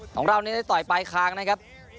ของเรานี้ได้ต่อยปลายคางนะครับ